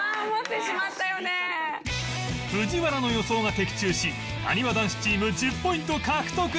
藤原の予想が的中しなにわ男子チーム１０ポイント獲得